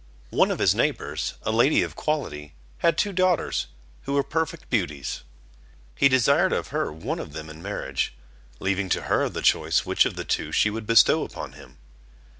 One of his neighbours, a lady of quality, had two daughters who were perfect beauties. He desired of her one of them in marriage, leaving to her the choice which of the two she would bestow upon him.